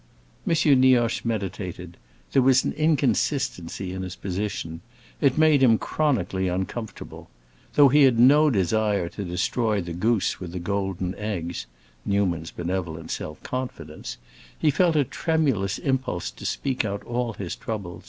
M. Nioche meditated: there was an inconsistency in his position; it made him chronically uncomfortable. Though he had no desire to destroy the goose with the golden eggs—Newman's benevolent confidence—he felt a tremulous impulse to speak out all his trouble.